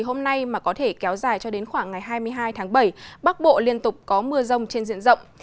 hôm nay mà có thể kéo dài cho đến khoảng ngày hai mươi hai tháng bảy bắc bộ liên tục có mưa rông trên diện rộng